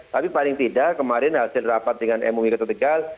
tapi paling tidak kemarin hasil rapat dengan mui kota tegal